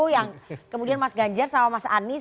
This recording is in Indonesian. yang kemudian mas ganjar sama mas anies